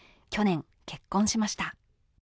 去年、結婚しました。